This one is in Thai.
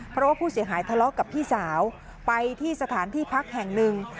เพราะว่าผู้เสียหายทะเลาะกับพี่สาวไปที่สถานที่พักแห่งหนึ่ง